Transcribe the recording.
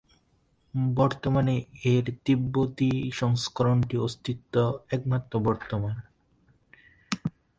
বর্তমানে এর তিব্বতী সংস্করণটির অস্তিত্ব একমাত্র বর্তমান।